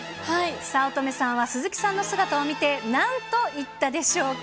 早乙女さんは鈴木さんの姿を見て、なんと言ったでしょうか。